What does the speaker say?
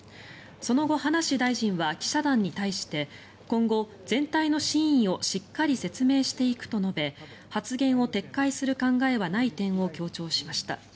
その後、葉梨大臣は記者団に対して今後、全体の真意をしっかり説明していくと述べ発言を撤回する考えはない点を強調しました。